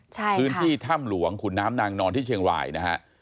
ใช่ค่ะพื้นที่ถ้ำหลวงขุนน้ำนางนอนที่เชียงรายนะฮะ